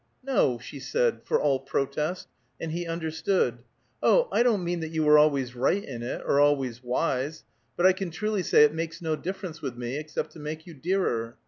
"No!" she said for all protest, and he understood. "Oh, I don't mean that you were always right in it, or always wise; but I can truly say it makes no difference with me except to make you dearer.